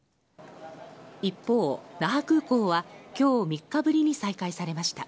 一方、那覇空港は、きょう、３日ぶりに再開されました。